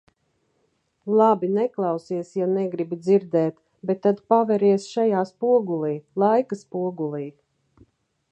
Labi, neklausies, ja negribi dzirdēt, bet tad paveries šajā spogulī, laika spogulī.